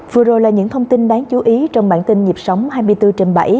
vừa rồi là những thông tin đáng chú ý trong bản tin nhịp sống hai mươi bốn trên bảy